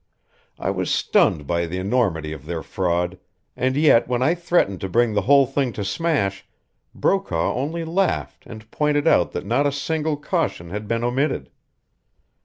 I was stunned by the enormity of their fraud, and yet when I threatened to bring the whole thing to smash Brokaw only laughed and pointed out that not a single caution had been omitted.